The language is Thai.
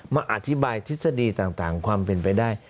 มาอธิบายทฤษฎีต่างความเป็นไปได้